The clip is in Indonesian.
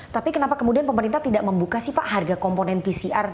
tapi kenapa kemudian pemerintah tidak membuka sih pak harga komponen pcr